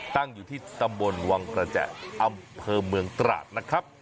ตั้งอยู่ที่ตำบลวังกระแจอำเภอเมืองตราดนะครับ